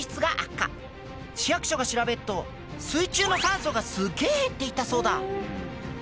市役所が調べると水中の酸素がすっげえ減っていたそうだ。